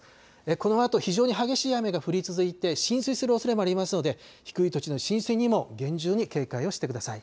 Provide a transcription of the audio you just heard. このあと非常に激しい雨が降り続いて浸水するおそれもありますので低い土地の浸水にも厳重に警戒をしてください。